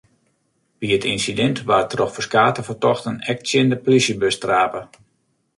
By it ynsidint waard troch ferskate fertochten ek tsjin de plysjebus trape.